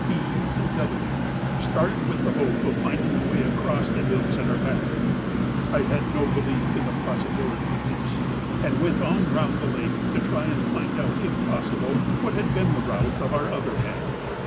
E., and W. started with the hope of finding a way across the hills at our back. I had no belief in the possibility of this, and went on round the lake to try and find out, if possible, what had been the route of our other men.